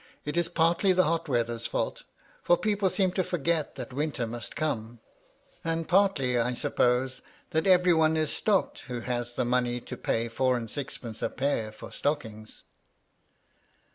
It is partly the hot weather's fault, for people seem to forget that winter must come ; and partly, I suppose, that every one is stocked who has the money to pay four and eixpence a pair for stockings."